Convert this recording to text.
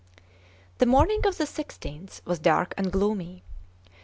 The morning of the 16th was dark and gloomy.